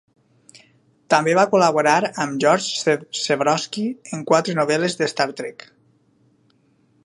També va col·laborar amb George Zebrowski en quatre novel·les de Star Trek.